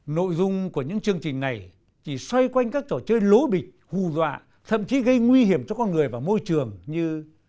nội dung của những chương trình này chỉ xoay quanh các trò chơi lố bịch hù dọa thậm chí gây nguy hiểm cho con người và môi trường như